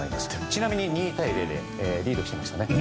ちなみに２対０でリードしていましたね。